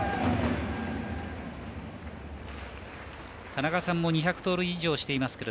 田中さんも２００盗塁以上をしています。